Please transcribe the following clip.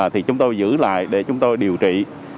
thì chúng tôi giữ lại để chúng tôi điều trị